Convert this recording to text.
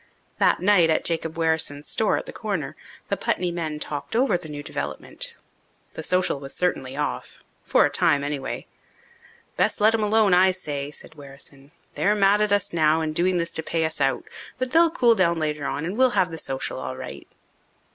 That night, at Jacob Wherrison's store at the Corner, the Putney men talked over the new development. The social was certainly off for a time, anyway. "Best let 'em alone, I say," said Wherrison. "They're mad at us now and doing this to pay us out. But they'll cool down later on and we'll have the social all right."